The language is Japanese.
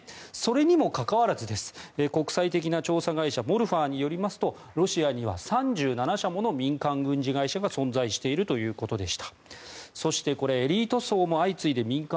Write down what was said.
それにもかかわらず国際的な調査会社モルファーによりますとロシアには３７社もの民間軍事会社が存在しているということです。